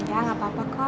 ya gak apa apa kol